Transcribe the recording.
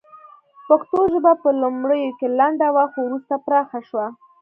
پښتو ژبه په لومړیو کې لنډه وه خو وروسته پراخه شوه